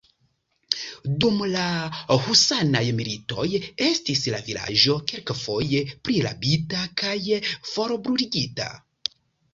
Dum la Husanaj Militoj estis la vilaĝo kelkfoje prirabita kaj forbruligita.